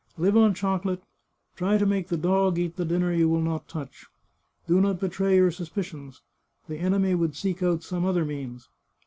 Live on chocolate ; try to make the dog eat the dinner you will not touch. Do not betray your suspicions. The enemy would seek out some other means.